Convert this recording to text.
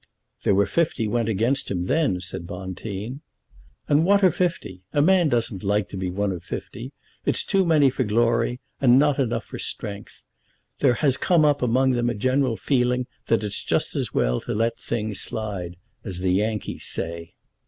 "There were fifty went against him then," said Bonteen. "And what are fifty? A man doesn't like to be one of fifty. It's too many for glory, and not enough for strength. There has come up among them a general feeling that it's just as well to let things slide, as the Yankees say.